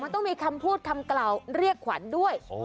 แต่มันต้องมีคำพูดหรือหน่อยเรียกขวัญด้วย